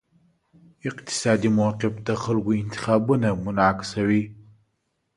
اقتصادي موقف د خلکو انتخابونه منعکسوي.